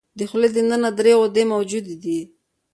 د خولې د ننه درې غدې موجودې دي.